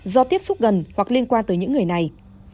gần hoặc liên quan tới những người này